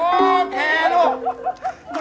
โอเคดู